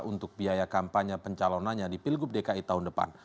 untuk biaya kampanye pencalonannya di pilgub dki tahun depan